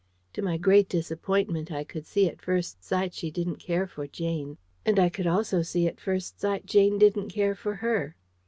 To my great disappointment, I could see at first sight she didn't care for Jane: and I could also see at first sight Jane didn't care for her.